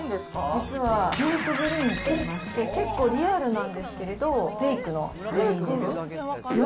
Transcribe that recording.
実はフェイクグリーンといいまして、結構リアルなんですけれども、フェイクのグリーン。